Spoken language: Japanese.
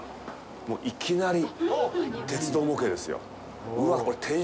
もう、いきなり鉄道模型ですよ。